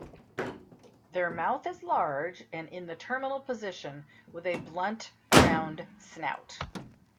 Their mouth is large and in the terminal position with a blunt round snout.